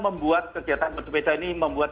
membuat kegiatan bersepeda ini membuat